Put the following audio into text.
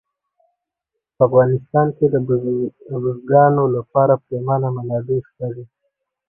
په افغانستان کې د بزګانو لپاره پریمانه منابع شته دي.